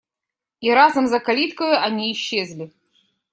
И разом за калиткою они исчезли.